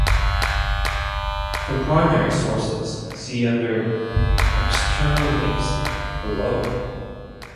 "For primary sources see under" External links "below.